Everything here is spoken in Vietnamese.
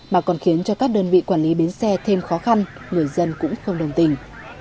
mà còn khiến cho các đơn vị quản lý bến xe thêm khó khăn người dân cũng không đồng tình